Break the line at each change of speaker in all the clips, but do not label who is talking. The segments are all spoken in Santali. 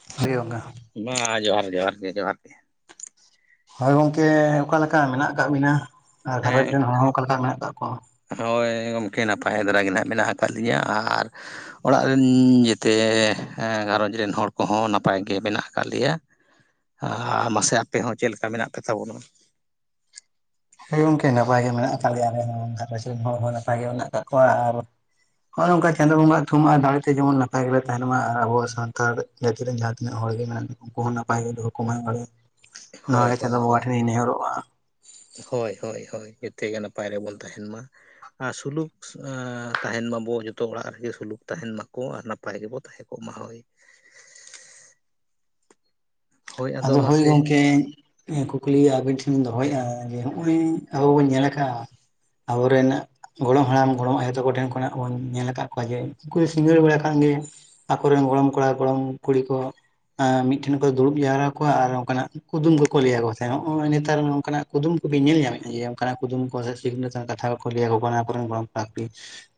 [unintelligible]
ᱢᱟ ᱡᱚᱦᱟᱨ ᱡᱚᱦᱟᱨ ᱜᱮ ᱡᱚᱦᱟᱨ ᱜᱮ
ᱦᱳᱭ ᱜᱚᱝᱠᱮ ᱚᱠᱟᱞᱮᱠᱟ ᱢᱮᱱᱟᱜ ᱠᱟᱜ ᱵᱤᱱᱟ? ᱟᱨ ᱜᱷᱟᱨᱚᱸᱡᱽ
ᱦᱮᱸ
ᱨᱮᱱ ᱦᱚᱲ ᱦᱚᱸ ᱚᱠᱟᱞᱮᱠᱟ ᱢᱮᱱᱟᱜ ᱠᱟᱜ ᱠᱚᱣᱟ?
ᱦᱳᱭ ᱜᱚᱝᱠᱮ ᱱᱟᱯᱟᱭ ᱫᱷᱟᱨᱟ ᱜᱮ ᱱᱟᱸᱜ ᱢᱮᱱᱟᱜ ᱠᱟᱜ ᱞᱤᱧᱟᱹ ᱟᱨ ᱚᱲᱟᱜ ᱨᱤᱱ ᱡᱮᱛᱮ ᱜᱷᱟᱨᱚᱸᱡᱽ ᱨᱮᱱ ᱦᱚᱲ ᱠᱚᱦᱚᱸ ᱱᱟᱯᱟᱭ ᱜᱮ ᱢᱮᱱᱟᱜ ᱠᱟᱫ ᱞᱮᱭᱟ᱾ ᱟᱻᱢᱟᱥᱮ ᱟᱯᱮ ᱦᱚᱸ ᱪᱮᱫ ᱞᱮᱠᱟ ᱢᱮᱱᱟᱜ ᱯᱮ ᱛᱟᱵᱚᱱᱟ?
ᱦᱮᱸ ᱜᱚᱝᱠᱮ ᱱᱟᱯᱟᱭ ᱜᱮ ᱢᱮᱱᱟᱜ ᱠᱟᱫ ᱞᱮᱭᱟ ᱟᱞᱮ ᱦᱚᱸ ᱜᱷᱟᱨᱚᱸᱡᱽ ᱨᱮᱱ ᱦᱚᱲ ᱦᱚᱸ ᱱᱟᱯᱟᱭ ᱜᱮ ᱢᱮᱱᱟᱜ ᱠᱟᱜ ᱠᱚᱣᱟ ᱟᱨ ᱦᱚᱸᱜ-ᱚᱭ ᱱᱚᱝᱠᱟ ᱪᱟᱸᱫᱳ ᱵᱚᱸᱜᱟ ᱛᱷᱩᱢ ᱟᱨ ᱫᱟᱲᱮᱛᱮ ᱡᱮᱢᱚᱱ ᱱᱟᱯᱟᱭ ᱜᱮᱞᱮ ᱛᱟᱦᱮᱱ ᱢᱟ ᱟᱨ ᱟᱵᱚ ᱥᱟᱱᱛᱟᱲ ᱡᱟᱹᱛᱤ ᱨᱮᱱ ᱡᱟᱦᱟᱸ ᱛᱤᱱᱟᱹᱜ ᱦᱚᱲ ᱜᱮ ᱢᱮᱱᱟᱜ ᱠᱚ ᱩᱱᱠᱩ ᱦᱚᱸ ᱱᱟᱯᱟᱭ ᱜᱮ ᱫᱚᱦᱚ ᱠᱚ ᱢᱟᱭ ᱵᱟᱲᱮ ᱱᱚᱣᱟ
ᱦᱳᱭ
ᱜᱮ ᱪᱟᱸᱫᱳ
ᱦᱳᱭ
ᱵᱚᱸᱜᱟ
ᱦᱳᱭ
ᱴᱷᱮᱱᱤᱧ ᱱᱮᱦᱚᱨᱚᱜᱼᱟ
ᱦᱳᱭ ᱦᱳᱭ ᱦᱳᱭ ᱡᱮᱛᱮ ᱜᱮ ᱱᱟᱯᱟᱭ ᱨᱮᱵᱚᱱ ᱛᱟᱦᱮᱱ ᱢᱟ᱾ ᱟᱨ ᱥᱩᱞᱩᱠ ᱟᱸ ᱛᱟᱦᱮᱱ ᱢᱟᱵᱚ ᱡᱚᱛᱚ ᱚᱲᱟᱜ ᱨᱮᱜᱮ ᱥᱩᱞᱩᱠ ᱛᱟᱦᱮᱱ ᱢᱟᱠᱚ ᱟᱨ ᱱᱟᱯᱟᱭ ᱜᱮᱵᱚ ᱛᱟᱦᱮᱱ ᱠᱚᱜ ᱢᱟ ᱦᱳᱭ
ᱟᱫᱚ ᱦᱳᱭ ᱜᱚᱝᱠᱮ ᱠᱩᱠᱞᱤ ᱟᱵᱤᱱ ᱴᱷᱮᱱ ᱤᱧ ᱫᱚᱦᱚᱭᱮᱜ-ᱟ ᱡᱮ ᱱᱚᱜᱼᱚᱭ ᱟᱵᱚ ᱵᱚᱱ ᱧᱮᱞ ᱠᱟᱜ-ᱟ ᱟᱵᱚ ᱨᱮᱱ ᱜᱚᱲᱚᱢ ᱦᱟᱲᱟᱢ ᱜᱚᱲᱚᱢ ᱟᱭᱳ ᱛᱟᱠᱚ ᱴᱷᱮᱱ ᱠᱷᱚᱱᱟᱜ ᱵᱚᱱ ᱧᱮᱞ ᱠᱟᱜ ᱠᱚᱣᱟ ᱡᱮ ᱩᱱᱠᱩ ᱥᱤᱸᱜᱟᱹᱲ ᱵᱮᱲᱟ ᱠᱷᱟᱱ ᱜᱮ ᱟᱠᱚᱨᱮᱱ ᱜᱚᱲᱚᱢ ᱠᱚᱲᱟ ᱜᱚᱲᱚᱢ ᱠᱩᱲᱤ ᱠᱚ ᱢᱤᱫ ᱴᱷᱮᱱ ᱠᱚ ᱫᱩᱲᱩᱵ ᱡᱟᱣᱨᱟ ᱠᱚᱣᱟ ᱟᱨ ᱚᱱᱠᱟᱱᱟᱜ ᱠᱩᱫᱩᱢ ᱠᱚᱠᱚ ᱞᱟᱹᱭᱟ ᱚᱠᱚ ᱛᱟᱦᱮᱸᱱ ᱱᱚᱜᱼᱚᱭ ᱱᱮᱛᱟᱨ ᱝᱠᱟᱱᱟᱜ ᱠᱩᱫᱩᱢ ᱠᱚᱵᱤᱱ ᱧᱮᱞ ᱧᱟᱢᱮᱫ-ᱟ ᱡᱮ ᱚᱱᱠᱟᱱᱟᱜ ᱠᱩᱫᱩᱢ ᱠᱚ [unintelligible] ᱠᱟᱛᱷᱟ ᱠᱚ ᱞᱟᱭᱟ ᱚᱠᱚ ᱠᱚᱱᱟ ᱟᱠᱚᱨᱮᱱ ᱜᱚᱲᱚᱢ ᱠᱚᱲᱟ ᱠᱩᱲᱤ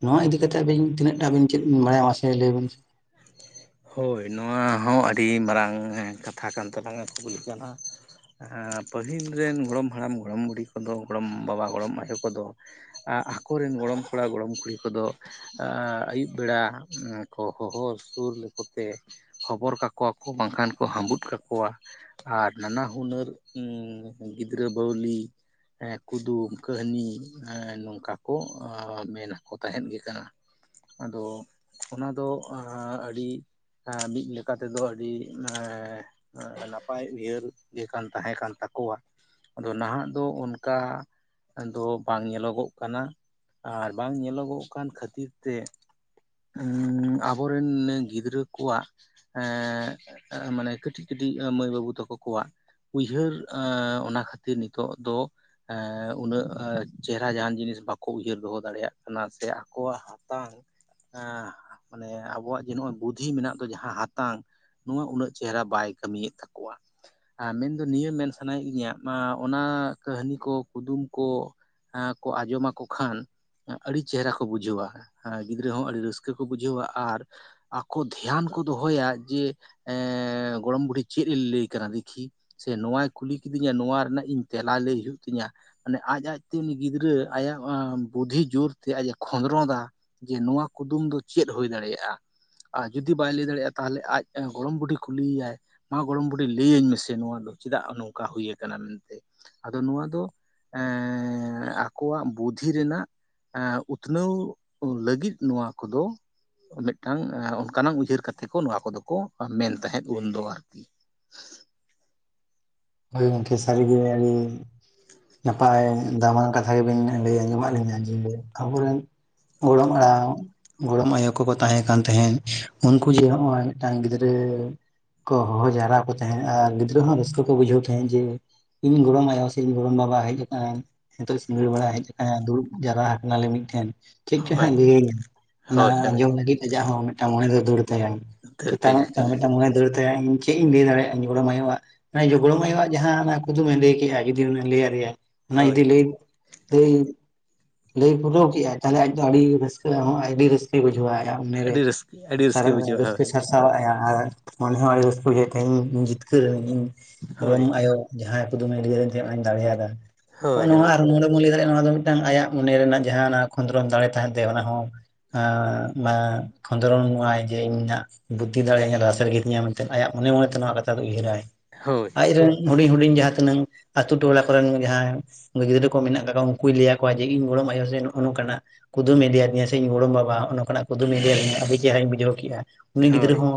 ᱱᱚᱣᱟ ᱤᱫᱤ ᱠᱟᱛᱮᱫ ᱟᱹᱵᱤᱱ ᱛᱤᱱᱟᱹᱜ ᱴᱟᱜ ᱪᱮᱫ ᱵᱤᱱ ᱵᱟᱲᱟᱭᱟ ᱢᱟᱥᱮ ᱞᱟᱹᱭ ᱵᱤᱱ ᱥᱮ
ᱦᱳᱭ ᱱᱚᱣᱟ ᱦᱚᱸ ᱟᱹᱰᱤ ᱢᱟᱨᱟᱝ ᱮᱸ ᱠᱟᱛᱷᱟ ᱠᱟᱱ ᱛᱟᱞᱟᱝᱟ ᱠᱩᱠᱞᱤ ᱠᱟᱱᱟ᱾ ᱯᱟᱹᱦᱤᱞ ᱨᱮᱱ ᱜᱚᱲᱚᱢ ᱦᱟᱲᱟᱢ ᱜᱚᱲᱚᱢ ᱵᱩᱲᱦᱤ ᱠᱚᱫᱚ ᱜᱚᱲᱚᱢ ᱵᱟᱵᱟ ᱜᱚᱲᱚᱢ ᱟᱭᱳ ᱠᱚᱫᱚ ᱟᱠᱚ ᱨᱮᱱ ᱜᱚᱲᱚᱢ ᱠᱚᱲᱟ ᱜᱚᱲᱚᱢ ᱠᱩᱲᱤ ᱠᱚᱫᱚ ᱟᱹᱭᱩᱵ ᱵᱮᱲᱟ ᱠᱚ ᱦᱚᱦᱚ ᱥᱩᱨ ᱠᱚᱛᱮ ᱦᱚᱵᱚᱨ ᱠᱟᱠᱚᱣᱟ ᱠᱚ, ᱵᱟᱝᱠᱷᱟᱱ ᱠᱚ ᱦᱟᱵᱩᱫ ᱠᱟᱠᱚᱣᱟ᱾ ᱟᱨ ᱱᱟᱱᱟ ᱦᱩᱱᱟᱹᱨ ᱜᱤᱫᱨᱟᱹ ᱵᱟᱹᱣᱞᱤ ᱠᱩᱫᱩᱢ, ᱠᱟᱹᱦᱟᱱᱤ ᱱᱚᱝᱠᱟ ᱠᱚ ᱢᱮᱱᱟᱠᱚ ᱛᱟᱦᱮᱸᱫ ᱜᱤᱫᱽᱨᱟᱹ᱾ ᱟᱫᱚ ᱚᱱᱟ ᱫᱚ ᱟᱹᱰᱤ ᱢᱤᱫ ᱞᱮᱠᱟ ᱛᱮ ᱫᱚ ᱟᱹᱰᱤ ᱱᱟᱯᱟᱭ ᱩᱭᱦᱟᱹᱨ ᱜᱮ ᱠᱟᱱ ᱛᱟᱦᱮᱸ ᱠᱟᱱ ᱛᱟᱠᱚᱣᱟ᱾ ᱟᱫᱚ ᱱᱟᱦᱟᱜ ᱫᱚ ᱚᱱᱠᱟ ᱟᱫᱚ ᱵᱟᱝ ᱧᱮᱞᱚᱜᱚᱜ ᱠᱟᱱᱟ ᱟᱨ ᱵᱟᱝ ᱧᱮᱞᱚᱜᱚᱜ ᱠᱟᱱ ᱠᱷᱟᱹᱛᱤᱨ ᱛᱮ ᱟᱵᱚ ᱨᱮᱱ ᱜᱤᱫᱽᱨᱟᱹ ᱠᱚᱣᱟᱜ ᱮ ᱢᱟᱱᱮ ᱠᱟᱹᱴᱤᱡ ᱠᱟᱹᱴᱤᱡ ᱢᱟᱹᱭ ᱵᱟᱹᱵᱩ ᱛᱟᱠᱚ ᱠᱚᱣᱟᱜ ᱩᱭᱦᱟᱹᱨ, ᱚᱱᱟ ᱠᱷᱟᱹᱛᱤᱨ ᱱᱤᱛᱚᱜ ᱫᱚ ᱩᱱᱟᱹᱜ ᱪᱮᱦᱮᱨᱟ ᱡᱟᱦᱟᱱ ᱡᱤᱱᱤᱥ ᱵᱟᱠᱚ ᱩᱭᱦᱟᱹᱨ ᱫᱚᱦᱚ ᱫᱟᱲᱮᱭᱟᱜ ᱠᱟᱱᱟ ᱥᱮ ᱟᱠᱚᱣᱟᱜ ᱛᱟᱝ ᱢᱟᱱᱮ ᱟᱵᱚᱣᱟᱜ ᱡᱮ ᱱᱚᱜᱚᱭ ᱵᱩᱫ ᱵᱩᱸᱫᱷᱤ ᱢᱮᱱᱟᱜ ᱫᱚ ᱡᱟᱦᱟᱸ ᱦᱟᱛᱟᱝ, ᱱᱚᱣᱟ ᱩᱱᱟᱹᱜ ᱪᱮᱦᱮᱨᱟ ᱵᱟᱭ ᱠᱟᱹᱢᱤᱭᱮᱫ ᱛᱟᱠᱚᱣᱟ᱾ ᱢᱮᱱ ᱫᱚ ᱱᱤᱭᱟᱹ ᱢᱮᱱ ᱥᱟᱱᱟᱭᱮᱫ ᱞᱤᱧᱟᱹ ᱚᱱᱟ ᱠᱟᱹᱦᱟᱱᱤ ᱠᱚ, ᱠᱩᱫᱩᱢ ᱠᱚ, ᱠᱚ ᱟᱸᱡᱚᱢᱟᱠᱚ ᱠᱷᱟᱱ ᱟᱹᱰᱤ ᱪᱮᱦᱮᱨᱟ ᱠᱚ ᱵᱩᱡᱷᱟᱹᱣᱟ, ᱜᱤᱫᱽᱨᱟᱹ ᱦᱚᱸ ᱟᱹᱰᱤ ᱨᱟᱹᱥᱠᱟᱹ ᱠᱚ ᱵᱩᱡᱷᱟᱹᱣᱟ ᱟᱨ ᱠᱚ ᱫᱷᱮᱭᱟᱱ ᱠᱚ ᱫᱚᱦᱚᱭᱟ ᱡᱮ ᱜᱚᱲᱚᱢ ᱵᱩᱰᱦᱤ ᱪᱮᱫ ᱮ ᱞᱟᱹᱭ ᱠᱟᱱᱟ ᱫᱮᱠᱷᱤ ᱥᱮ ᱱᱚᱣᱟᱣᱟᱭ ᱠᱩᱞᱤ ᱠᱤᱫᱤᱧᱟ, ᱱᱚᱣᱟ ᱨᱮᱱᱟᱜ ᱤᱧ ᱛᱮᱞᱟ ᱞᱟᱹᱭ ᱦᱩᱭᱩᱜ ᱛᱤᱧᱟᱹ᱾ ᱢᱟᱱᱮ ᱟᱡ ᱟᱡᱛᱮ ᱩᱱᱤ ᱜᱤᱫᱽᱨᱟᱹ ᱟᱭᱟᱜ ᱵᱩᱫᱷᱤ ᱡᱳᱨ ᱛᱮ ᱟᱡ ᱮ ᱠᱷᱚᱸᱫᱨᱚᱸᱱ-ᱟ᱾ ᱡᱮ ᱱᱚᱣᱟ ᱠᱩᱫᱩᱢ ᱫᱚ ᱪᱮᱫ ᱦᱩᱭ ᱫᱟᱲᱮᱭᱟᱜ-ᱟ? ᱟ ᱡᱩᱫᱤ ᱵᱟᱭ ᱞᱟᱹᱭ ᱫᱟᱲᱮᱭᱟᱜᱼᱟ, ᱛᱟᱦᱚᱞᱮ ᱟᱡ ᱜᱚᱲᱚᱢ ᱵᱩᱰᱷᱤ ᱠᱩᱞᱤᱭᱮᱟᱭ ᱢᱟ ᱜᱚᱲᱚᱢ ᱵᱩᱰᱷᱤ ᱞᱟᱹᱭᱟᱹᱧ ᱢᱮᱥᱮ ᱱᱚᱣᱟ ᱫᱚ ᱪᱮᱫᱟᱜ ᱱᱚᱝᱠᱟ ᱦᱩᱭ ᱠᱟᱱᱟ ᱢᱮᱱᱛᱮ᱾ ᱟᱫᱚ ᱱᱚᱣᱟ ᱫᱚ ᱮ ᱟᱠᱚᱣᱟᱜ ᱵᱩᱸᱫᱷᱤ ᱨᱮᱱᱟᱜ ᱩᱛᱱᱟᱹᱣ ᱞᱟᱹᱜᱤᱫ ᱱᱚᱣᱟ ᱠᱚᱫᱚ ᱢᱤᱫᱴᱟᱝ ᱚᱱᱠᱟᱱᱟᱝ ᱩᱭᱦᱟᱹᱨ ᱠᱟᱛᱮᱫ ᱠᱚ ᱱᱚᱣᱟ ᱠᱚᱫᱚ ᱠᱚ ᱢᱮᱱ ᱛᱟᱦᱮᱸᱫ ᱩᱱ ᱫᱚ ᱟᱨᱠᱤ
ᱦᱳᱭ ᱜᱚᱝᱠᱮ ᱥᱟᱹᱨᱤ ᱜᱮ ᱱᱟᱯᱟᱭ ᱫᱟᱢᱟᱱ ᱠᱟᱛᱷᱟ ᱜᱮᱵᱮᱱ ᱞᱟᱹᱭ ᱟᱸᱡᱚᱢᱟᱫ ᱞᱤᱧᱟᱹ ᱡᱮ ᱟᱵᱚ ᱨᱮᱱ ᱜᱚᱲᱚᱢ ᱦᱟᱲᱟᱢ ᱜᱚᱲᱚᱢ ᱟᱭᱳ ᱠᱚᱠᱚ ᱛᱟᱦᱮᱸ ᱠᱟᱱ ᱛᱟᱦᱮᱸᱫ᱾ ᱩᱱᱠᱩ ᱡᱮ ᱱᱚᱜᱼᱚᱭ ᱢᱤᱫᱴᱟᱱ ᱜᱤᱫᱽᱨᱟᱹ ᱠᱚ ᱦᱚᱦᱚ ᱡᱟᱣᱨᱟ ᱠᱚ ᱛᱟᱦᱮᱸᱫ ᱟᱨ ᱜᱤᱫᱽᱨᱟᱹ ᱦᱚᱸ ᱨᱟᱹᱥᱠᱟᱹ ᱠᱚ ᱵᱩᱡᱷᱟᱹᱣ ᱛᱟᱦᱮᱸᱫ ᱡᱮ ᱤᱧ ᱜᱚᱲᱚᱢ ᱟᱭᱳ ᱥᱮ ᱤᱧ ᱜᱚᱲᱚᱢ ᱵᱟᱵᱟ ᱦᱮᱡ ᱟᱠᱟᱱᱟ ᱱᱤᱛᱚᱜ ᱥᱤᱸᱜᱟᱹᱲ ᱵᱮᱲᱟ ᱦᱮᱡ ᱠᱟᱛᱮᱱ ᱫᱩᱲᱩᱵ ᱡᱟᱣᱨᱟ ᱟᱠᱟᱱᱟ ᱞᱮ ᱢᱤᱫᱴᱷᱮᱱ ᱪᱮᱫ ᱪᱚ
ᱦᱳᱭ
ᱦᱟᱸᱜ ᱞᱟᱹᱭᱟᱹᱧᱟ? ᱚᱱᱟ
ᱦᱳᱭ ᱦᱳᱭ
ᱟᱸᱡᱚᱢ ᱞᱟᱹᱜᱤᱫ ᱟᱡᱟᱜ ᱦᱚᱸ ᱢᱤᱫᱴᱟᱝ ᱢᱚᱱᱮ ᱫᱚ ᱫᱟᱹᱲ ᱛᱟᱭᱟ
ᱩᱫᱷᱟᱹᱨ
ᱪᱮᱛᱟᱱ
ᱛᱟᱭᱟᱭ ᱦᱳᱭ
ᱢᱤᱫᱴᱟᱝ ᱢᱚᱬᱮ ᱫᱟᱹᱲ ᱛᱟᱭᱟ ᱤᱧ ᱪᱮᱫ ᱤᱧ ᱞᱟᱹᱭ ᱫᱟᱲᱮᱭᱟᱜᱼᱟ, ᱜᱚᱲᱚᱢ ᱟᱭᱳᱼᱟ᱾ ᱜᱚᱲᱚᱢ ᱟᱭᱩᱣᱟᱜ ᱡᱟᱦᱟᱸ ᱠᱩᱫᱩᱢᱮ ᱞᱟᱹᱭ ᱠᱮᱜᱼᱟ, ᱡᱩᱫᱤ ᱞᱟᱹᱭ ᱟᱞᱮᱭᱟ ᱚᱱᱟ
ᱦᱳᱭ
ᱡᱩᱫᱤ ᱞᱟᱹᱭ ᱞᱟᱹᱭ ᱞᱟᱹᱭ ᱯᱩᱨᱟᱹᱣ ᱠᱮᱫᱟᱭ ᱛᱟᱦᱚᱞᱮ ᱟᱡ ᱫᱚ ᱟᱹᱰᱤ ᱨᱟᱹᱥᱠᱟᱹ ᱦᱚᱸ ᱟᱹᱰᱤ ᱨᱟᱹᱥᱠᱟᱹᱭ ᱵᱩᱡᱷᱟᱹᱣᱼᱟᱺ ᱢᱚᱱᱮ ᱨᱮ
ᱟᱹᱰᱤ ᱨᱟᱹᱥᱠᱟᱹ ᱟᱹᱰᱤ ᱨᱟᱹᱥᱠᱟᱹ ᱵᱩᱡᱷᱟᱹᱜᱼᱟ
ᱨᱟᱹᱥᱠᱟᱹ
ᱦᱳᱭ
ᱥᱟᱨᱥᱟᱣ ᱟᱭᱟ ᱟᱨ ᱢᱚᱱᱮ ᱦᱚᱸ ᱨᱟᱹᱥ ᱵᱩᱡᱷᱟᱹᱣ ᱛᱟᱭ ᱤᱧ ᱡᱤᱛᱠᱟ. ᱨᱚᱜ ᱟ. ᱤᱧ
ᱦᱳᱭ
ᱜᱚᱲᱚᱢ ᱟᱭᱳ ᱡᱟᱦᱟᱸᱭ ᱠᱩᱫᱩᱢᱮ ᱞᱟᱹᱭ ᱭᱟᱫᱤᱧ ᱛᱟᱦᱮᱸ, ᱚᱱᱟ ᱫᱟᱲᱮᱭᱟᱫᱟ
ᱦᱳᱭ
ᱱᱚᱜ
ᱦᱳᱭ
ᱟᱨ ᱱᱚᱰᱮ ᱵᱚᱱ ᱞᱟᱹᱭ ᱫᱟᱲᱮᱭᱟᱜ ᱚᱱᱟ ᱫᱚ ᱢᱤᱫᱴᱟᱝ ᱟᱭᱟᱜ ᱢᱚᱱᱮ ᱨᱮᱱᱟᱜ ᱡᱟᱦᱟᱸ ᱠᱷᱚᱸᱫᱽᱨᱚᱸᱚᱱ ᱫᱟᱲᱮ ᱛᱟᱦᱮᱱ ᱛᱟᱭᱟ, ᱚᱱᱟ ᱦᱚᱸ ᱠᱷᱚᱸᱫᱽᱨᱚᱱᱚᱜᱼ ᱟᱭ ᱡᱮ ᱤᱧᱟᱹᱜ ᱵᱩᱫᱽᱫᱷᱤ ᱫᱟᱲᱮᱭᱟᱹ ᱞᱟᱥᱮᱨ ᱜᱮᱛᱤᱧᱟ ᱢᱮᱱᱛᱮ ᱟᱭᱟᱜ ᱢᱚᱱᱮ ᱢᱚᱱᱮᱛᱮ ᱱᱚᱣᱟ ᱠᱟᱛᱷᱟ ᱫᱚ ᱩᱭᱦᱟᱹᱨᱟᱭ᱾
ᱦᱳᱭ
ᱟᱡ ᱨᱮᱱ ᱦᱩᱰᱤᱧ ᱦᱩᱰᱤᱧ ᱡᱟᱦᱟᱸ ᱛᱤᱱᱟᱹᱝ ᱟᱹᱛᱩ ᱴᱚᱞᱟ ᱠᱚᱨᱮᱱ ᱡᱟᱦᱟᱸᱭ ᱜᱤᱫᱽᱨᱟᱹ ᱠᱚ ᱢᱮᱱᱟᱜ ᱠᱟᱫ ᱠᱚᱣᱟ ᱩᱱᱠᱩᱭ ᱞᱟᱹᱭ ᱟᱠᱚᱣᱟ ᱡᱮ ᱤᱧ ᱜᱚᱲᱚᱢ ᱟᱭᱳ ᱥᱮ ᱱᱚᱼ ᱱᱚᱝᱠᱟᱱᱟᱜ ᱠᱩᱫᱩᱢ ᱤᱫᱤᱭᱟᱫᱤᱧᱟᱹ ᱥᱮ ᱤᱧ ᱜᱚᱲᱚᱢ ᱵᱟᱵᱟ ᱚᱱᱟᱚᱱ ᱠᱷᱱᱟᱜ ᱠᱩᱫᱩᱢᱤᱫ ᱛᱤᱧ ᱟᱹᱰᱤ ᱪᱮᱦᱨᱟᱧ ᱵᱩᱡᱷᱟᱹᱣ ᱠᱮᱫᱼᱟ᱾ ᱩᱱᱤ ᱜᱤᱫᱽᱨᱟᱹ
ᱦᱳᱭ
ᱦᱚᱸ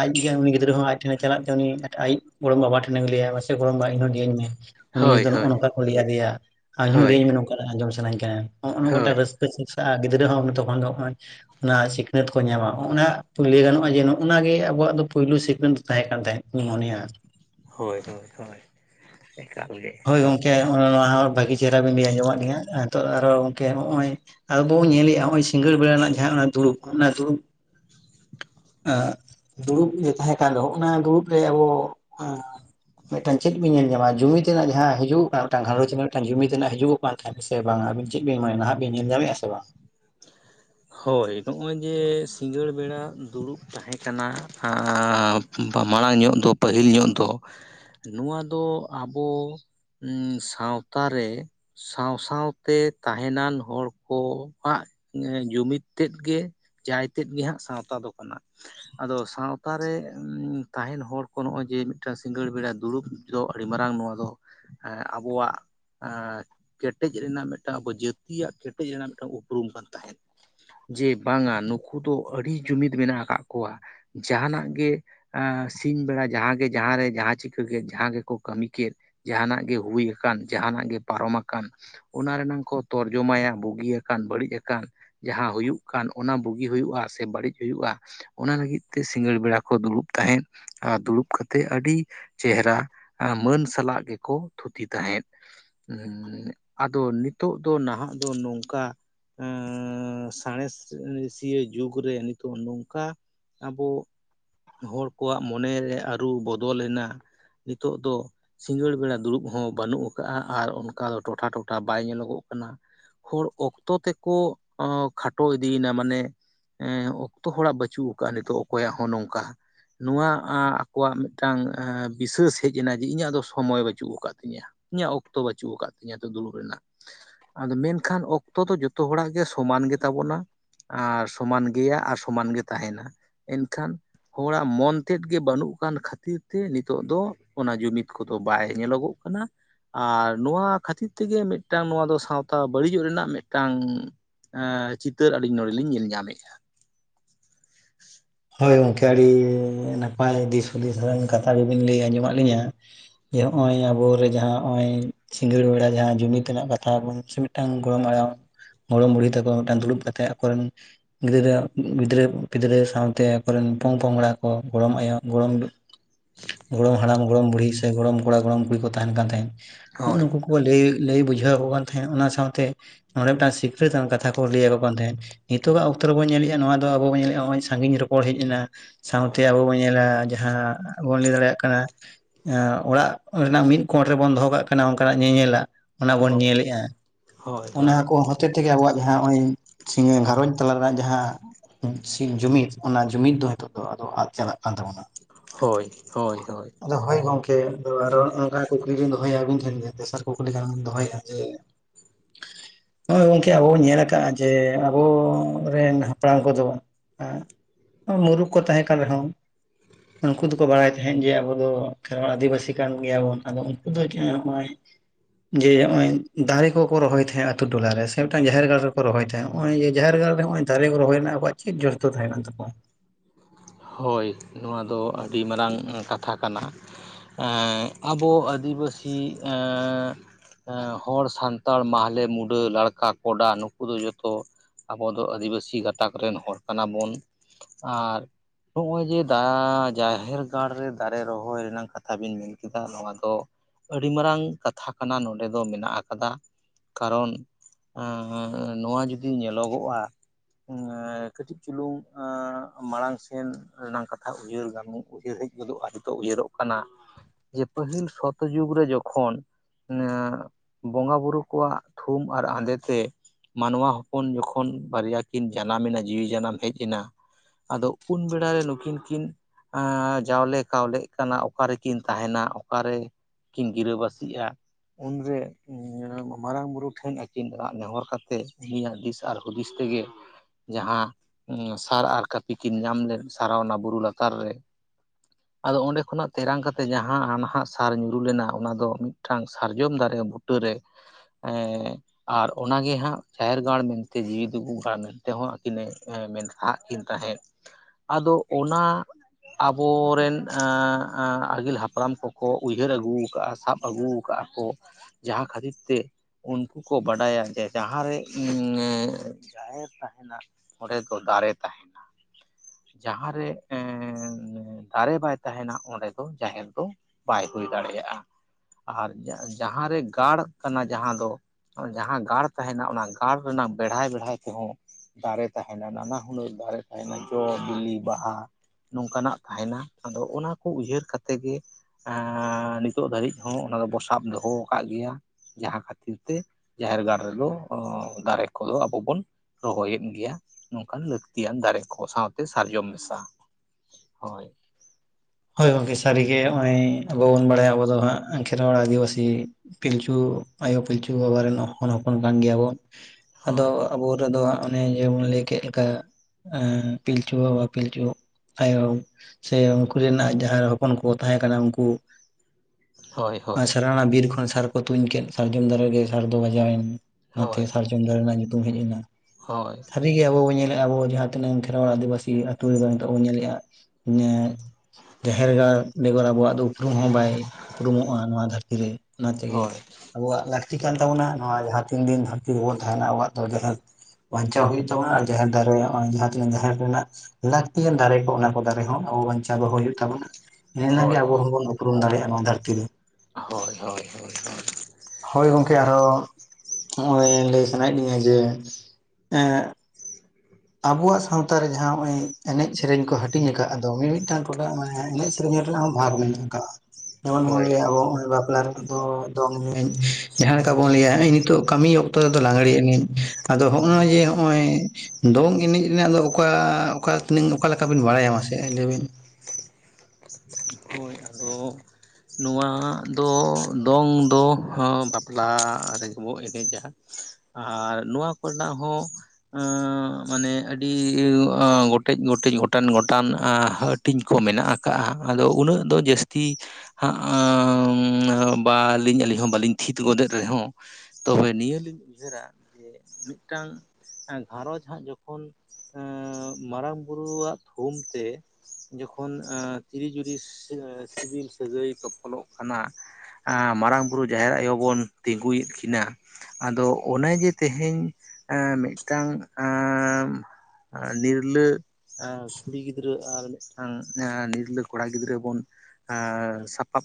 ᱟᱡ ᱩᱱᱤ ᱜᱤᱫᱽᱨᱟᱹ ᱦᱚᱸ ᱟᱡ ᱴᱷᱮᱱᱮ ᱪᱟᱞᱟᱜ ᱛᱟᱭ ᱩᱱᱤ ᱟᱭ ᱜᱚᱲᱚᱢ ᱵᱟᱵᱟ ᱴᱷᱮᱱᱮᱧ ᱞᱟᱹᱭᱟ ᱢᱟᱥᱮ ᱜᱚᱲᱚᱢᱵᱟ ᱤᱧ ᱦᱚᱸ ᱫᱤᱭᱤᱭᱟᱹᱧ ᱢᱮ ᱩᱱᱤ
ᱦᱳᱭ
ᱫᱚ ᱱᱚᱜᱼᱚ
ᱦᱳᱭ
ᱱᱚᱝᱠᱟ ᱠᱚ ᱞᱟᱹᱭᱟᱫᱮᱭᱟ ᱤᱧ ᱦᱚᱸ
ᱦᱳᱭ
ᱞᱟᱹᱭᱟᱹᱧ ᱢᱮ ᱱᱚᱝᱠᱟ ᱟᱸᱡᱚᱢ ᱥᱟᱱᱟᱧ ᱠᱟᱱᱟ ᱱᱚᱜᱼᱚ ᱱᱚ ᱜᱴᱟᱜ
ᱦᱳᱭ
ᱨᱟᱹᱥ ᱠᱟ. ᱥᱟᱨᱥᱟᱜᱼᱟ ᱜᱤᱫᱽᱨᱟᱹ ᱦᱚᱸᱢ ᱱᱤᱛᱚᱜ ᱵᱟᱝ ᱚᱱᱟ ᱥᱤᱠᱷᱱᱟᱹᱛ ᱠᱚ ᱧᱟᱢᱟ ᱱᱚᱜᱼᱱᱟ ᱞᱟᱹᱭ ᱜᱟᱱᱚᱜᱼᱟ ᱡᱮ ᱱᱚᱜ ᱚᱱᱟ ᱜᱮ ᱟᱵᱚᱣᱟᱜ ᱫᱚ ᱯᱩᱭᱞᱩ ᱥᱤᱠᱷᱱᱟᱹᱛ ᱫᱚ ᱛᱟᱦᱮᱸ ᱠᱟᱱ ᱛᱟᱦᱮᱸᱫ᱾ ᱢᱚᱱᱮᱭᱟ᱾
ᱦᱳᱭ ᱦᱳᱭ ᱦᱳᱭ᱾ ᱮᱠᱟᱞ ᱜᱮ
ᱦᱳᱭ ᱜᱚᱝᱠᱮ ᱜᱮ ᱱᱚᱣᱟ ᱦᱚᱸ ᱵᱷᱟᱹᱜᱤ ᱪᱮᱦᱨᱟ ᱵᱤᱱ ᱞᱟᱹᱭ ᱟᱸᱡᱚᱢᱟᱫ ᱞᱤᱧᱟᱹ ᱱᱤᱛᱚᱜ ᱟᱨᱚ ᱜᱚᱝᱠᱮ ᱱᱚᱜᱼᱚᱭ ᱟᱵᱚᱵᱚᱱ ᱧᱮᱞᱮᱜᱼᱟ ᱱᱚᱜ ᱚᱚᱭ ᱥᱤᱸᱜᱟᱹᱲ ᱵᱮᱲᱟ ᱨᱮᱱᱟᱜ ᱡᱟᱦᱟᱸ ᱫᱩᱲᱩᱵ ᱚᱱᱟ ᱫᱩᱲᱩᱵ ᱫᱩᱲᱩᱵ ᱡᱮ ᱛᱟᱦᱮᱸ ᱠᱟᱱ ᱫᱚ ᱚᱱᱟ ᱫᱩᱲᱩᱵ ᱨᱮ ᱟᱵᱚ ᱟᱸᱻ ᱢᱤᱫᱴᱟᱝ ᱪᱮᱫ ᱵᱤᱱ ᱧᱮᱞ ᱧᱟᱢᱟ ᱡᱩᱢᱤᱫ ᱱᱟᱜ ᱡᱟᱦᱟᱸ ᱦᱤᱡᱩᱜ ᱠᱟᱱᱟ ᱜᱷᱟᱨᱚᱸᱡᱽ ᱨᱮᱱᱟᱜ ᱢᱤᱫᱴᱟᱝ ᱡᱩᱢᱤᱫ ᱨᱮᱱᱟᱜ ᱦᱤᱡᱩᱜᱚᱜ ᱠᱟᱱ ᱛᱟᱦᱮᱸᱱ ᱥᱮ ᱵᱟᱝ ᱟᱵᱤᱱ ᱪᱮᱫ ᱵᱤᱱ ᱢᱚᱱᱭᱟ ᱱᱟᱦᱟᱜ ᱵᱤᱱ ᱧᱮᱞ ᱧᱟᱢᱮᱫᱼᱟ ᱥᱮ ᱵᱟᱝ? [inaudible]
ᱦᱳᱭ ᱱᱚᱜᱼᱚᱭ ᱡᱮ ᱥᱤᱸᱜᱟᱹᱲ ᱵᱮᱲᱟ ᱫᱩᱲᱩᱵ ᱛᱟᱦᱮᱸ ᱠᱟᱱᱟ ᱟᱸᱻ ᱢᱟᱲᱟᱝ ᱧᱚᱜ ᱫᱚ ᱯᱟᱹᱦᱤᱞ ᱧᱚᱜ ᱫᱚ ᱱᱚᱣᱟ ᱫᱚ ᱟᱵᱚ ᱩᱸᱻ ᱥᱟᱶᱛᱟ ᱨᱮ ᱥᱟᱶ ᱥᱟᱶᱛᱮ ᱛᱟᱦᱮᱱᱟᱱ ᱦᱚᱲ ᱠᱚ ᱣᱟᱜ ᱡᱩᱢᱤᱫ ᱛᱮᱫ ᱜᱮ ᱡᱟᱭ ᱛᱮᱫ ᱜᱮ ᱦᱟᱸᱜ ᱥᱟᱶᱛᱟ ᱫᱚ ᱠᱟᱱᱟ᱾ ᱟᱫᱚ ᱥᱟᱶᱛᱟᱨᱮ ᱛᱟᱦᱮᱱ ᱦᱚᱲ ᱠᱚ ᱱᱚᱜᱚᱭ ᱡᱮ ᱢᱤᱫᱴᱟᱝ ᱥᱤᱸᱜᱟᱹᱲ ᱵᱮᱲᱟ ᱫᱩᱲᱩᱵ ᱫᱚ ᱟᱹᱰᱤ ᱢᱟᱨᱟᱝ ᱱᱚᱣᱟ ᱫᱚ ᱟᱵᱚᱣᱟᱜ ᱠᱮᱴᱮᱡ ᱨᱮᱱᱟᱜ ᱢᱤᱫᱴᱟᱝ ᱟᱵᱚ ᱡᱟᱹᱛᱤᱭᱟᱜ ᱠᱮᱴᱮᱡ ᱨᱮᱱᱟᱜ ᱢᱤᱫ ᱴᱟᱝ ᱩᱯᱨᱩᱢ ᱠᱟᱱ ᱛᱟᱦᱮᱫ ᱡᱮ ᱵᱟᱝᱟ ᱱᱩᱠᱩ ᱫᱚ ᱟᱹᱰᱤ ᱡᱩᱢᱤᱫ ᱢᱮᱱᱟᱜ ᱟᱠᱟᱫ ᱠᱚᱣᱟ᱾ ᱡᱟᱸᱦᱟᱱᱟᱜ ᱜᱮ ᱮ ᱥᱤᱧ ᱵᱮᱲᱟ ᱡᱟᱦᱟᱸᱜᱮ, ᱡᱟᱦᱟᱸᱨᱮ, ᱡᱟᱦᱟᱸ ᱪᱤᱠᱟᱹ ᱠᱮᱫ, ᱡᱟᱦᱟᱸ ᱜᱮᱠᱚ ᱠᱟᱹᱢᱤ ᱠᱮᱫ, ᱡᱟᱦᱟᱱᱟᱜ ᱜᱮ ᱦᱩᱭᱩ ᱟᱠᱟᱱ, ᱡᱟᱦᱟᱱᱟᱜ ᱜᱮ ᱯᱟᱨᱚᱢ ᱟᱠᱟᱱ, ᱚᱱᱟ ᱨᱮᱱᱟᱝ ᱠᱚ ᱛᱚᱨᱡᱚᱢᱟᱭᱟ ᱵᱩᱜᱤᱭᱟ ᱠᱟᱱ ᱵᱟᱹᱲᱤᱡ ᱟᱠᱟᱱ ᱡᱟᱦᱟᱸ ᱦᱩᱭᱩᱜ ᱠᱟᱱ, ᱚᱱᱟ ᱵᱩᱜᱤ ᱦᱩᱭᱩᱜᱼᱟ ᱥᱮ ᱵᱟᱹᱲᱤᱡ ᱦᱩᱭᱩᱜᱼᱟ, ᱚᱱᱟ ᱞᱟᱹᱜᱤᱫ ᱛᱮ ᱥᱤᱸᱜᱟᱹᱲ ᱵᱮᱲᱟ ᱠᱚ ᱫᱩᱲᱩᱵ ᱛᱟᱦᱮᱸᱫ᱾ ᱟᱨ ᱫᱩᱲᱩᱵ ᱠᱟᱛᱮᱫ ᱟᱹᱰᱤ ᱪᱮᱦᱨᱟ ᱢᱟᱹᱱ ᱥᱟᱞᱟᱜ ᱜᱮᱠᱚ ᱛᱷᱩᱛᱤ ᱛᱟᱦᱮᱸᱫ᱾ [unintelligible] ᱟᱫᱚ ᱱᱤᱛᱚᱜ ᱫᱚ, ᱱᱟᱦᱟᱜ ᱫᱚ ᱱᱚᱝᱠᱟᱼᱼ [unintelligible] ᱥᱟᱬᱮᱥᱮᱥᱤᱭᱟᱹ ᱡᱩᱜᱽᱨᱮ ᱱᱤᱛᱚᱜ ᱱᱚᱝᱠᱟ ᱟᱵᱚ ᱦᱚᱲ ᱠᱚᱣᱟᱜ ᱢᱚᱱᱮᱨᱮ ᱟᱹᱨᱩ ᱵᱚᱫᱚᱞᱮᱱᱟ, ᱱᱤᱛᱚᱜ ᱫᱚ ᱥᱤᱸᱜᱟᱹᱲ ᱵᱮᱲᱟ ᱫᱩᱲᱩᱵ ᱦᱚᱸ ᱵᱟᱹᱱᱩᱜ ᱟᱠᱟᱜᱼᱟ, ᱟᱨ ᱚᱱᱠᱟ ᱫᱚ ᱴᱚᱴᱷᱟ ᱴᱚᱴᱷᱟ ᱵᱟᱭ ᱧᱮᱞᱚᱜᱚᱜ ᱠᱟᱱᱟ᱾ ᱦᱚᱲ ᱚᱠᱛᱚ ᱛᱮᱠᱚ ᱠᱷᱟᱴᱚ ᱤᱫᱤᱭᱮᱱᱟ ᱢᱟᱱᱮᱼᱼ ᱮᱸ ᱚᱠᱛᱚ ᱦᱚᱲᱟᱜ ᱵᱟᱹᱪᱩᱜ ᱟᱠᱟᱫᱼᱟ ᱱᱤᱛᱚᱜ ᱚᱠᱚᱭᱟᱜ ᱦᱚᱸ ᱱᱚᱝᱠᱟ, ᱱᱚᱣᱟ ᱟᱠᱚᱣᱟᱜ ᱢᱤᱫᱴᱟᱝ ᱵᱤᱥᱟᱹᱥ ᱦᱮᱡ ᱮᱱᱟ, ᱡᱮ ᱤᱧᱟᱹᱜ ᱫᱚ ᱥᱚᱢᱚᱭ ᱵᱟᱹᱪᱩᱜ ᱠᱟᱫ ᱛᱤᱧᱟᱹ᱾ ᱤᱧᱟᱹᱜ ᱚᱠᱛᱚ ᱵᱟᱹᱪᱩᱜ ᱟᱠᱟᱫ ᱛᱤᱧᱟᱹ ᱛᱚ ᱫᱩᱲᱩᱵ ᱨᱮᱱᱟᱜ, ᱟᱫᱚ ᱢᱮᱱᱠᱷᱟᱱ ᱚᱠ ᱛᱚ ᱫᱚ ᱡᱷᱚᱛᱚ ᱦᱚᱲᱟᱜ ᱜᱮ ᱥᱚᱢᱟᱱ ᱜᱮᱛᱟᱟᱵᱚᱱᱟ, ᱟᱨ ᱥᱚᱢᱟᱱ ᱜᱮᱭᱟ, ᱟᱨ ᱥᱚᱢᱟᱱ ᱜᱮ ᱛᱟᱸᱦᱮᱱᱟ᱾ ᱮᱱᱠᱷᱟᱱ ᱦᱚᱲᱟᱜ ᱢᱚᱱ ᱛᱮᱫ ᱜᱮ ᱵᱟᱹᱱᱩᱜ ᱠᱟᱱ ᱠᱷᱟᱹᱛᱤᱨ ᱛᱮ ᱱᱤᱛᱚᱜ ᱫᱚ ᱚᱱᱟ ᱡᱩᱢᱤᱫ ᱠᱚᱫᱚ ᱵᱟᱭ ᱧᱮᱞᱚᱜᱚᱜ ᱠᱟᱱᱟ ᱟᱨ ᱱᱚᱣᱟ ᱠᱷᱟᱹᱛᱤᱨ ᱛᱮᱜᱮ ᱢᱤᱫᱴᱟᱝ ᱱᱚᱣᱟ ᱫᱚ ᱥᱟᱶᱛᱟ ᱵᱟᱹᱲᱤᱡᱚᱜ ᱨᱮᱱᱟᱜ ᱢᱤᱫ ᱴᱟᱝ ᱪᱤᱛᱟᱹᱨ ᱟᱹᱞᱤᱧ ᱱᱚᱰᱮᱞᱤᱧ ᱧᱮᱞ ᱧᱟᱢᱮᱫᱼᱟ᱾
ᱦᱳᱭ ᱜᱚᱢᱠᱮ ᱟᱹᱰᱤ ᱱᱟᱯᱟᱭ ᱫᱤᱥ ᱦᱩᱫᱤᱥ ᱨᱮᱱ ᱠᱟᱛᱷᱟ ᱜᱮᱵᱤᱱ ᱞᱟᱹᱭ ᱟᱸᱡᱚᱢᱟᱫ ᱞᱤᱧᱟᱹ, ᱡᱮ ᱱᱚᱜ ᱚᱚᱭ ᱟᱵᱚᱨᱮ ᱡᱟᱦᱟᱸ ᱱᱚᱜ ᱚᱚᱭ ᱥᱤᱸᱜᱟᱹᱲ ᱵᱮᱲᱟ ᱡᱟᱦᱟᱸ ᱡᱩᱢᱤᱫ ᱨᱮᱱᱟᱜ ᱠᱟᱛᱷᱟ ᱵᱚᱱ ᱢᱤᱫᱟᱝ ᱜᱚᱲᱚᱢ ᱦᱟᱲᱟᱢ ᱜᱚᱲᱚᱢ ᱵᱩᱲᱦᱤ ᱛᱟᱠᱚ ᱢᱤᱫᱴᱟᱱ ᱫᱩᱲᱩᱵ ᱠᱟᱛᱮᱜ ᱟᱠᱚᱨᱮᱱ ᱜᱤᱫᱽᱨᱟᱹ ᱜᱤᱫᱽᱨᱟᱹ ᱯᱤᱫᱽᱨᱟᱹ ᱥᱟᱶᱛᱮ ᱛᱮ ᱯᱟᱞᱮᱱ ᱯᱚᱝ ᱯᱚᱝᱲᱟ ᱠᱚ ᱜᱚᱲᱚᱢ ᱟᱭᱳ ᱜᱚᱲᱚᱢ [unintelligible] ᱜᱚᱲᱚᱢ ᱦᱟᱲᱟᱢ ᱜᱚᱲᱚᱢ ᱵᱩᱲᱦᱤ, ᱥᱮ ᱜᱚᱲᱚᱢ ᱠᱚᱲᱟ ᱜᱚᱲᱚᱢ ᱠᱩᱲᱤ ᱠᱚ ᱛᱟᱦᱮᱱ ᱠᱟᱱ ᱛᱟᱦᱮᱸᱫ ᱱᱜᱼᱚ
ᱦᱳᱭ
ᱱᱩᱠᱩ ᱠᱚ ᱞᱟᱹᱭ ᱞᱟᱹᱭ ᱵᱩᱡᱷᱟᱹᱣᱠᱚ ᱠᱟᱱ ᱛᱟᱦᱮᱸᱫ ᱚᱱᱟ ᱥᱟᱶᱛᱮ ᱱᱚᱸᱰᱮ ᱢᱤᱫᱴᱟᱝ ᱥᱤᱠᱱᱟᱹᱛᱟᱱ ᱠᱟᱛᱷᱟ ᱠᱚ ᱞᱟᱹᱭᱟᱠᱚ ᱠᱟᱱ ᱛᱟᱦᱮᱸᱫ, ᱱᱤᱛᱚᱜ ᱟ ᱚᱠᱛᱚ ᱨᱮ ᱵᱚᱱ ᱧᱮᱞᱮᱜᱼᱟ, ᱱᱚᱣᱟ ᱟᱵ ᱵᱚᱱ ᱧᱮᱞᱮᱫᱜᱚᱭ ᱥᱟᱺᱜᱤᱧᱚᱢ ᱦᱚᱲ ᱦᱮᱡ ᱮᱱᱟ᱾ ᱥᱟᱶᱛᱮ
ᱦᱳᱭ
ᱟᱵᱚ ᱵᱚᱱ ᱧᱮᱞᱟ ᱡᱟᱦᱟᱸ ᱵᱚᱱ ᱞᱟᱹᱭ ᱫᱟᱲᱮᱭᱟᱜ ᱠᱟᱱᱟ᱾ ᱚᱲᱟᱜ ᱨᱮᱱᱟᱜ ᱢᱤᱫ ᱠᱚᱸᱴ ᱨᱮᱵᱚᱱ ᱫᱚᱦᱚ ᱠᱟᱜ ᱠᱟᱱᱟ, ᱚᱱᱠᱟᱱᱟᱜ ᱧᱮᱧᱮᱞᱟᱜ᱾ ᱚᱱᱟ ᱵᱚᱱ
ᱦᱳᱭ
ᱧᱮᱞᱮᱜᱼᱟ᱾
ᱦᱳᱭ ᱦᱳᱭ
ᱚᱱᱟ ᱠᱚ ᱦᱚᱛᱮ ᱛᱮᱜᱮ ᱟᱵᱚᱣᱟᱜ ᱡᱟᱦᱟᱸ ᱱᱚᱜᱼᱚᱭ [unintelligible] ᱜᱷᱟᱨᱚᱸᱧᱡᱽ [inaudible] ᱛᱟᱞᱟ ᱨᱮᱱᱟᱜ ᱡᱟᱦᱟᱸ ᱡᱩᱢᱤᱫ ᱚᱱᱟ ᱡᱩᱢᱤᱫ ᱫᱚ ᱱᱤᱛᱚᱜ ᱫᱚ ᱟ ᱟᱫᱽ ᱪᱟᱞᱟᱜ ᱠᱟᱱ ᱛᱟᱵᱚᱱᱟ᱾
ᱦᱳᱭ, ᱦᱳᱭ, ᱦᱳᱭ᱾
ᱟᱫᱚ ᱦᱳᱭ ᱜᱚᱝᱠᱮ ᱟᱫᱚ ᱟᱨ ᱚᱱᱠᱟ ᱠᱩᱠᱞᱤᱧ ᱫᱚᱦᱚᱭᱟ ᱟᱵᱤᱱ ᱴᱷᱮᱱ ᱜᱮ, ᱛᱮᱥᱟᱨ ᱠᱩᱠᱞᱤ ᱞᱮᱠᱟᱵᱤᱱ ᱫᱚᱦᱚᱭᱟ, ᱡᱮ ᱦᱚᱜᱼ ᱜᱚᱢᱠᱮ ᱟᱵᱚ ᱵᱚᱱ ᱧᱮᱞ ᱠᱟᱜᱼᱟ, ᱡᱮ ᱟᱵᱚ ᱨᱮᱱ ᱦᱟᱯᱲᱟᱢ ᱠᱚᱫᱚ ᱢᱩᱨᱩᱠ ᱠᱚ ᱛᱟᱦᱮᱸ ᱠᱟᱱ ᱨᱮᱦᱚᱸ ᱩᱱᱠᱩ ᱫᱚᱠᱚ ᱵᱟᱲᱟᱭ ᱛᱟᱦᱮᱸᱫ ᱡᱮ, ᱟᱵᱚ ᱫᱚ ᱠᱷᱮᱨᱣᱟ ᱟᱹᱫᱤᱵᱟᱹᱥᱤ ᱠᱟᱱ ᱜᱮᱭᱟᱵᱚᱱ ᱟᱫᱚ᱾ ᱩᱱᱠᱩ ᱫᱚ ᱱᱚᱜ ᱡᱮ ᱱᱚᱜᱼᱚᱭ ᱫᱟᱨᱮ ᱠᱚ ᱠᱚ ᱨᱚᱦᱚᱭ ᱛᱟᱦᱮᱸᱫ ᱟᱹᱛᱩ ᱴᱚᱞᱟ ᱨᱮ ᱥᱮ ᱢᱤᱫᱴᱟᱝ ᱡᱟᱦᱮᱨᱟ ᱜᱟᱹᱲ ᱨᱮᱠᱚ ᱨᱚᱦᱚᱭᱦᱜᱼ ᱛᱟᱦᱮᱫᱼᱟ, ᱡᱟᱦᱮᱨ ᱜᱟᱲ ᱨᱮᱜ ᱚᱭ ᱫᱟᱨᱮ ᱠᱚ ᱨᱚᱦᱚᱭᱱᱟ ᱟᱵᱚᱣᱟᱜ ᱪᱮᱫ ᱡᱚᱥᱛᱚ ᱛᱟᱦᱮᱸ ᱠᱟᱱ ᱛᱟᱠᱚᱣᱟ?
ᱦᱳᱭ ᱱᱚᱣᱟ ᱫᱚ ᱟᱹᱰᱤ ᱢᱟᱨᱟᱝ ᱠᱟᱛᱷᱟ ᱠᱟᱱᱟ᱾ ᱟᱵᱚ ᱟᱹᱫᱤᱵᱟᱹᱥᱤ ᱮᱼᱼ ᱦᱚᱲ, ᱥᱟᱱᱛᱟᱲ, ᱢᱟᱦᱞᱮ, ᱢᱩᱰᱟᱹ, ᱞᱟᱲᱠᱟ, ᱠᱚᱰᱟ, ᱱᱩᱠᱩ ᱫᱚ ᱡᱚᱛᱚ᱾ ᱟᱵᱚ ᱫᱚ ᱟᱹᱫᱤᱵᱟᱹᱥᱤ ᱜᱟᱛᱟᱠ ᱨᱮᱱ ᱦᱚᱲ ᱠᱟᱱᱟᱵᱚᱱ, ᱟᱨᱼᱼ ᱱᱚᱜᱼᱚᱭ ᱡᱮ ᱫᱟ ᱡᱟᱦᱮᱨ ᱜᱟᱲ ᱨᱮ ᱫᱟᱨᱮ ᱨᱚᱦᱚᱭ ᱨᱮᱱᱟᱜ ᱠᱟᱛᱷᱟ ᱵᱮᱤᱱ ᱢᱮᱱ ᱠᱮᱫᱟ, ᱱᱚᱣᱟ ᱫᱚ᱾ ᱟᱹᱰᱤ ᱢᱟᱨᱟᱝ ᱠᱟᱛᱷᱟ ᱠᱟᱱᱟ ᱱᱚᱰᱮ ᱫᱚ ᱢᱮᱱᱟᱜ ᱟᱠᱟᱫᱟ, ᱠᱟᱨᱚᱱ ᱱᱚᱣᱟ ᱡᱩᱫᱤ ᱧᱮᱞᱚᱜᱚᱜᱼᱟ᱾ ᱠᱟᱹᱴᱤᱡ ᱪᱩᱞᱩᱝ ᱢᱟᱲᱟᱝ ᱥᱮᱱ ᱮᱱ ᱨᱮᱱᱟᱜ ᱠᱟᱛᱷᱟ ᱩᱭᱦᱟᱹᱨ ᱜᱟᱱ, ᱩᱭᱦᱟᱹᱨ ᱦᱮᱡ ᱜᱚᱫᱚᱜᱼᱟ, ᱱᱤᱛᱚᱜ ᱩᱭᱦᱟᱹᱨᱚᱜ ᱠᱟᱱᱟ᱾ ᱡᱮ ᱯᱟᱹᱦᱤᱞ ᱥᱚᱛ ᱡᱩᱜᱽ ᱨᱮ ᱡᱚᱠᱷᱚᱱ ᱵᱚᱸᱜᱟ ᱵᱩᱨᱩ ᱠᱚᱣᱟᱜ ᱛᱷᱩᱢ ᱟᱨ ᱟᱸᱫᱮᱛᱮ ᱢᱟᱱᱣᱟ ᱦᱚᱯᱚᱱ ᱡᱚᱠᱷᱚᱱ ᱵᱟᱨᱭᱟ ᱠᱤᱱ ᱡᱟᱱᱟᱢ ᱮᱱᱟ, ᱡᱤᱣᱤ ᱡᱟᱱᱟᱢ ᱦᱮᱡ ᱮᱱᱟ ᱟᱫᱚ ᱩᱱ ᱵᱮᱲᱟ ᱨᱮ ᱱᱩᱠᱤᱱ ᱠᱤᱱ ᱡᱟᱣᱞᱮ ᱠᱟᱣᱞᱮᱜ ᱠᱟᱱᱟ, ᱚᱠᱟᱨᱮᱠᱤᱱ ᱛᱟᱦᱮᱱᱟ᱾ ᱚᱠᱟᱨᱮ ᱠᱤᱱ ᱜᱤᱨᱟᱹᱵᱟᱹᱥᱤᱜᱼᱟ᱾ ᱩᱱᱨᱮ ᱢᱟᱨᱟᱝ ᱵᱩᱨᱩ ᱴᱷᱮᱱ ᱟᱹᱠᱤᱱᱟᱜ ᱱᱮᱦᱚᱨ ᱠᱟᱛᱮᱜ ᱩᱱᱤᱭᱟᱜ ᱫᱤᱥᱟᱹ ᱟᱨ ᱦᱩᱫᱤᱥ ᱛᱮᱜᱮ ᱡᱟᱦᱟᱸ ᱥᱟᱨ ᱟᱨ ᱠᱟᱹᱯᱤ ᱠᱤᱱ ᱧᱟᱢ ᱞᱮᱫ, ᱥᱟᱨᱟᱣᱱᱟ ᱵᱩᱨᱩ ᱞᱟᱛᱟᱨ ᱨᱮ᱾
[inaudible]
ᱟᱫᱚ ᱚᱸᱰᱮ ᱠᱷᱚᱱᱟᱜ ᱛᱮᱨᱟᱝ ᱠᱟᱛᱮ ᱡᱟᱦᱟᱸ ᱟᱱᱦᱟᱜ ᱥᱟᱨ ᱧᱩᱨᱩ ᱞᱮᱱᱟ, ᱚᱱᱟ ᱫᱚ ᱢᱤᱫᱴᱟᱝ ᱥᱟᱨᱡᱚᱢ ᱫᱟᱨᱮ ᱵᱩᱴ -ᱛᱩ ᱨᱮ ᱟᱨ ᱚᱱᱟᱜᱮ ᱦᱟᱸᱜ ᱡᱟᱦᱮᱨ ᱜᱟᱲ ᱢᱮᱱᱛᱮ ᱡᱤᱣᱤᱫᱜᱩᱜ ᱜᱟᱲ ᱢᱮᱱᱛᱮ ᱦᱚᱸ ᱟᱹᱠᱤᱱᱮ ᱢᱮᱱ ᱞᱟᱦᱟᱜ ᱠᱤᱱ ᱛᱟᱦᱮᱸᱫ᱾ ᱟᱫᱚ ᱚᱱᱟ ᱟᱵᱚᱨᱮᱱ ᱟᱹᱜᱤᱞ ᱦᱟᱯᱲᱟᱢ ᱠᱚᱠᱚ ᱩᱭᱦᱟᱹᱨ ᱟᱹᱜᱩ ᱟᱠᱟᱫᱟᱼᱟ, ᱥᱟᱵᱟᱜ ᱟᱹᱜᱩ ᱟᱠᱟᱫᱼᱟ ᱠᱚ, ᱡᱟᱦᱟᱸ ᱠᱷᱟᱹᱛᱤᱨ ᱛᱮ ᱩᱱᱠᱩ ᱠᱚ ᱵᱟᱰᱟᱭᱟ ᱡᱮ ᱡᱟᱦᱟᱸᱨᱮ ᱤ ᱡᱟᱦᱮᱨ ᱛᱟᱦᱮᱱᱟ ᱚᱸᱰᱮ ᱫᱚ ᱫᱟᱨᱮ ᱛᱟᱦᱮᱱᱟ᱾ ᱡᱟᱦᱟᱸᱨᱮ ᱫᱟᱨᱮ ᱵᱟᱭ ᱛᱟᱦᱮᱱᱟ ᱚᱸᱰᱮ ᱫᱚ ᱡᱟᱦᱮᱨ ᱫᱚ ᱵᱟᱭ ᱦᱩᱭ ᱫᱟᱲᱮᱭᱟᱜᱼᱟ ᱟᱨ ᱡᱟᱦᱟᱸᱨᱮ ᱜᱟᱲ ᱠᱟᱱᱟ ᱡᱟᱦᱟᱸ ᱫᱚ ᱡᱟᱦᱟᱸ ᱜᱟᱲ ᱛᱟᱦᱮᱱᱟ, ᱚᱱᱟ ᱜᱟᱲ ᱨᱮᱱᱟᱜ ᱵᱮᱲᱦᱟᱭ ᱵᱮᱲᱦᱟᱭ ᱛᱮᱦᱚᱸ ᱫᱟᱨᱮ ᱛᱟᱦᱮᱱᱟ᱾ ᱱᱟᱱᱟ ᱦᱩᱱᱟᱹᱨ ᱫᱟᱨᱮ ᱛᱟᱦᱮᱱᱟ ᱡᱚ ᱵᱤᱞᱤ ᱵᱟᱦᱟ ᱱᱚᱝᱠᱟᱱᱟᱜ ᱛᱟᱦᱮᱱᱟ᱾ ᱟᱫᱚ ᱚᱱᱟ ᱠᱚ ᱩᱭᱦᱟᱹᱨ ᱠᱟᱛᱮᱜ ᱜᱮ ᱮ ᱱᱤᱛᱚᱜ ᱫᱷᱟᱹᱨᱤᱡ ᱦᱚᱸ, ᱚᱱᱟ ᱫᱚᱵᱚ ᱥᱟᱵᱽ ᱫᱚᱦᱚ ᱟᱠᱟᱫ ᱜᱮᱭᱟ᱾ ᱡᱟᱦᱟᱸ ᱠᱷᱟᱹᱛᱤᱨ ᱛᱮ ᱡᱟᱦᱮᱨ ᱜᱟᱲ ᱨᱮᱫᱚ ᱫᱟᱨᱮ ᱠᱚᱫᱚ ᱟᱵᱚ ᱵᱚᱱ ᱨᱚᱦᱚᱭᱮᱫ ᱜᱮᱭᱟ ᱱᱚᱝᱠᱟᱱ ᱞᱟᱹᱠᱛᱤᱭᱟᱱ ᱫᱟᱨᱮ ᱥᱟᱶᱛᱮ ᱥᱟᱨᱡᱚᱢ ᱢᱮᱥᱟ, ᱦᱳᱭ᱾
ᱦᱳᱭ ᱜᱚᱢᱠᱮ, ᱥᱟᱹᱨᱤ ᱜᱮ ᱱᱚᱜᱼᱚᱭ ᱟ ᱵᱟᱚ ᱵᱚᱱ ᱵᱟᱲᱟᱭᱟ, ᱟᱵᱚ ᱫᱚ ᱦᱟᱸᱜ ᱠᱷᱮᱨᱣᱟᱞ ᱟᱹᱫᱤᱵᱟᱹᱥᱤ ᱯᱤᱞᱪᱩ ᱟᱭᱳ ᱯᱤᱞᱪᱩ ᱵᱟᱵᱟ ᱨᱮᱱ ᱦᱚᱱ ᱦᱚᱯᱚᱱ ᱠᱟᱱ ᱜᱮᱭᱟᱵᱚᱱ ᱟᱫᱚ
ᱦᱳᱭ
ᱟᱵᱚ ᱨᱮᱫᱚ ᱚᱱᱮ ᱡᱮᱵᱚᱱ ᱞᱟᱹᱭ ᱠᱮᱫᱜ ᱞᱮᱠᱟ, ᱟ ᱯᱤᱞᱪᱩ ᱵᱟᱵᱟ ᱯᱤᱞᱪᱩ ᱟᱭᱳ ᱥᱮ ᱨᱮᱱᱟᱜ ᱡᱟᱦᱟᱸ ᱦᱚᱯᱚᱱ ᱠᱚ ᱛᱟᱦᱮᱸ ᱠᱟᱱᱟ ᱩᱱᱠᱩ
ᱦᱳᱭ ᱦᱳᱭ
ᱥᱟᱱᱟᱢ ᱟᱜ ᱥᱟᱨ ᱵᱤᱨ ᱠᱷᱚᱱ ᱥᱟᱨ ᱠᱚ ᱛᱩᱧ ᱠᱮᱫ ᱥᱟᱨᱡᱚᱢ ᱫᱟᱨᱮ ᱨᱮ ᱥᱟᱨ ᱫᱚ ᱵᱟᱡᱟᱣᱮᱱ ᱚᱱᱟᱛᱮ
ᱦᱳᱭ
ᱥᱟᱨᱡᱚᱢ ᱫᱟᱨᱮ ᱨᱮᱱᱟᱜ ᱧᱩᱛᱩᱢ ᱦᱮᱡ ᱮᱱᱟ᱾
ᱦᱳᱭ᱾
ᱥᱟᱹᱨᱤᱜᱮ ᱟᱵᱚ ᱵᱚᱱ ᱧᱮᱞᱮᱫᱼᱟ ᱟᱵᱚ ᱡᱟᱦᱟᱸ ᱛᱤᱱᱟᱹᱜ ᱠᱷᱮᱨᱣᱟ ᱟᱹᱫᱤᱵᱟᱹᱥᱤ ᱟᱹᱛᱩ ᱨᱮᱫᱚ ᱱᱤᱛᱚᱜ ᱵᱚᱱ ᱧᱮᱞᱮᱫᱼᱟ ᱡᱟᱦᱮᱨ ᱜᱟᱲ ᱵᱮᱜᱚᱨ ᱟᱵᱚᱣᱟᱜ ᱫᱚ ᱩᱯᱨᱩᱢ ᱦᱚᱸ ᱵᱟᱭ ᱩᱯᱨᱩᱢᱚᱜᱼᱟ ᱱᱚᱣᱟ ᱫᱷᱟᱹᱨᱛᱤ ᱨᱮ, ᱚᱱᱟ ᱛᱮᱜᱮ
ᱦᱳᱭ
ᱟᱵᱚᱣᱟᱜ ᱞᱟᱹᱠᱛᱤ ᱠᱟᱱ ᱛᱟᱵᱚᱱᱟ ᱱᱚᱣᱟ ᱡᱟᱦᱟᱸ ᱛᱤᱱ ᱫᱤᱱ ᱫᱷᱟᱹᱨᱛᱤ ᱨᱮᱵᱚᱱ ᱛᱟᱦᱮᱱᱟ ᱟᱵᱚᱣᱟᱜ ᱫᱚ ᱵᱟᱧᱪᱟᱣ ᱦᱩᱭᱩᱜ ᱛᱟᱵᱚᱱᱟ ᱟᱨ ᱡᱟᱦᱮᱨ ᱫᱟᱨᱮᱜ ᱡᱟᱦᱟᱸ ᱛᱤᱱᱟᱹᱜ ᱡᱟᱦᱮᱨ ᱨᱮᱱᱟᱜ ᱞᱟᱹᱠᱛᱤᱭᱟᱱ ᱫᱟᱨᱮ ᱠᱚ ᱚᱱᱟ ᱠᱚ ᱫᱟᱨᱮ ᱦᱚᱸ ᱟᱵᱚ ᱵᱟᱧᱪᱼᱟ ᱪᱟᱵᱟ ᱦᱩᱭᱩᱜ ᱛᱟᱵᱚᱱᱟ ᱤᱱᱟᱹᱝᱜᱮ
ᱦᱳᱭ
ᱟᱵᱚ ᱦᱚᱸᱵᱚᱱ ᱩᱯᱨᱩᱢ ᱫᱟᱲᱮᱭᱟᱜᱼᱟ ᱱᱚᱣᱟ ᱫᱷᱟᱹᱨᱛᱤ ᱨᱮ
ᱦᱳᱭ ᱦᱳᱭ ᱦᱳᱭ᱾
ᱦᱳᱭ ᱜᱚᱢᱠᱮ ᱟᱨᱦᱚᱸ ᱱᱚᱜᱚᱭ ᱞᱟᱹᱭ ᱥᱟᱱᱟᱭᱮᱫ ᱞᱤᱧᱟ ᱡᱮ ᱮᱸ, ᱟᱵᱚᱣᱟᱜ ᱥᱟᱶᱛᱟ ᱨᱮ ᱡᱟᱦᱟᱸ ᱱᱚᱜ ᱚᱭ ᱮᱱᱮᱡ ᱥᱮᱨᱮᱧ ᱠᱚ ᱦᱟᱹᱴᱤᱧ ᱟᱠᱟᱫ ᱫᱚ ᱢᱤᱢᱤᱫᱴᱟᱝ ᱴᱚᱴᱟ ᱮᱱᱮᱡ ᱥᱤ ᱥᱮᱨᱮᱧ ᱨᱮᱱᱟᱜ ᱦᱚᱸ ᱵᱷᱟᱜ ᱢᱮᱱᱟᱜ ᱟᱠᱟᱟᱜ ᱡᱮᱢᱚᱱ ᱱᱚᱣᱟᱵᱚ
ᱦᱳᱭ
ᱞᱟᱹᱭ ᱟ ᱟᱵᱚ ᱵᱟᱯᱞᱟ ᱨᱮ, ᱫᱚ ᱫᱚᱝ ᱮᱱᱮᱡ ᱡᱟᱦᱟᱸ ᱞᱮᱠᱟ ᱵᱚᱱ ᱞᱟᱹᱭᱟ ᱱᱤᱛᱚᱜ ᱠᱟᱹᱢᱤ ᱚᱠᱛᱚ ᱨᱮᱫᱚ ᱞᱟᱜᱽᱬᱮ ᱮᱱᱮᱡ, ᱟᱫᱚ ᱦᱚᱜᱼᱚᱭ ᱡᱮ ᱦᱚᱜᱼᱚᱭ ᱫᱚᱝ ᱮᱱᱮᱡ ᱨᱮᱱᱟᱜ ᱫᱚ ᱚᱠᱟ ᱚᱠᱟ ᱛᱤᱱᱟᱹᱝ ᱚᱠᱟ ᱞᱮᱠᱟ ᱵᱤᱱ ᱵᱟᱲᱟᱭᱟᱢᱟᱥᱮ ᱞᱟᱹᱭ ᱵᱤᱱ᱾
ᱦᱳᱭ ᱟᱫᱚ, ᱱᱚᱣᱟ ᱫᱚ ᱫᱚᱝ ᱫᱚ ᱵᱟᱯᱞᱟ ᱨᱮᱜᱮ ᱵᱚ ᱮᱱᱮᱡᱟ ᱟᱨ ᱱᱚᱣᱟ ᱠᱚᱨᱮᱱᱟᱜ ᱦᱚᱸ, ᱟᱸ ᱢᱟᱱᱮ ᱟᱹᱰᱤ ᱜᱚᱴᱮᱡ ᱜᱚᱴᱮᱡ ᱜᱚᱴᱟᱱ ᱜᱚᱴᱟᱱ ᱟᱸ ᱦᱟᱹᱴ ᱦᱟᱹᱴᱤᱧ ᱠᱚ ᱢᱮᱱᱟᱜ ᱠᱟᱜᱼᱟ ᱟᱫᱚ ᱩᱱᱟᱹᱜ ᱫᱚ ᱡᱟᱹᱥᱛᱤ, ᱦᱟᱸᱜ ᱟᱸ ᱵᱟᱞᱤᱧ ᱟᱹᱞᱤᱧ ᱦᱚᱸ ᱵᱟᱹᱞᱤᱧ ᱛᱷᱤᱛ ᱜᱚᱫᱮᱜ ᱨᱮᱦᱚᱸ ᱛᱚᱵᱮ ᱱᱤᱭᱟᱹᱞᱤᱧ ᱩᱭᱦᱟᱹᱨᱟ ᱡᱮ ᱢᱤᱫᱴᱟᱝ ᱜᱷᱟᱨᱚᱸᱡᱽ ᱦᱟᱸᱜ ᱡᱚᱠᱷᱚᱱ ᱟᱸ ᱢᱟᱨᱟᱝ ᱵᱩᱨᱩ ᱣᱟᱜ ᱛᱷᱩᱢ ᱛᱮ ᱡᱚᱠᱷᱚᱱ ᱟᱸ ᱛᱤᱨᱤ-ᱡᱩᱨᱤ ᱥᱤ [unintelligible] ᱥᱤᱵᱤᱞ ᱥᱟᱹᱜᱟᱹᱭ ᱛᱚᱯᱚᱞᱚᱜ ᱠᱟᱱᱟ, ᱟᱸ ᱢᱟᱨᱟᱝ ᱵᱩᱨᱩ ᱡᱟᱦᱮᱨ ᱟᱭᱳ ᱵᱚᱱ ᱛᱤᱸᱜᱩᱭᱮᱫ ᱠᱤᱱᱟ, ᱟᱫᱚ ᱚᱱᱮ ᱡᱮ ᱛᱮᱦᱮᱧ ᱟᱸ ᱢᱤᱫᱴᱟᱝ ᱟᱢ ᱟ ᱱᱤᱨᱞᱟᱹ ᱟᱸ ᱠᱩᱲᱤ ᱜᱤᱫᱽᱨᱟᱹ ᱟᱨ ᱢᱤᱫᱴᱟᱝ ᱱᱤᱨᱞᱟᱹ ᱠᱚᱲᱟ ᱜᱤᱫᱽᱨᱟᱹ ᱵᱚᱱ ᱟᱸ [unintelligible] ᱥᱟᱯᱟᱵ